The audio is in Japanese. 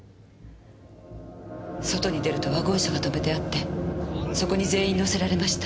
外に出るとワゴン車が停めてあってそこに全員乗せられました。